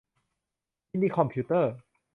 มินิคอมพิวเตอร์